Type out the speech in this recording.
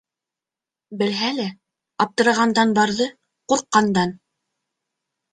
Белһә лә, аптырағандан барҙы, ҡурҡҡандан.